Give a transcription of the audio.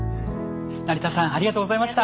成田さんありがとうございました。